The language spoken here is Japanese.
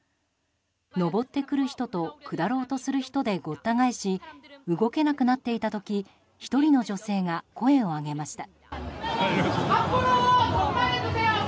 上ってくる人と下ろうとする人でごった返し動けなくなっていた時１人の女性が声を上げました。